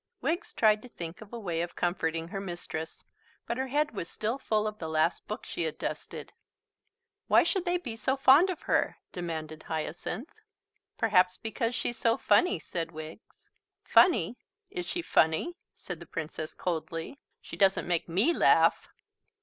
Wiggs tried to think of a way of comforting her mistress, but her head was still full of the last book she had dusted. "Why should they be so fond of her?" demanded Hyacinth. "Perhaps because she's so funny," said Wiggs. "Funny! Is she funny?" said the Princess coldly. "She doesn't make me laugh."